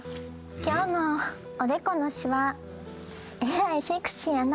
今日もおでこのシワえらいセクシーやな。